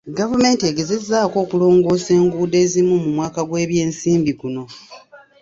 Gavumenti egezezzaako okulongoosa enguudo ezimu mu mwaka gw'ebyensimbi guno.